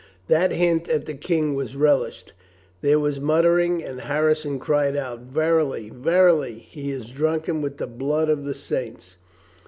That hint at the King was relished. There was muttering and Harrison cried out: "Verily, verily, he is drunken with the blood of the saints."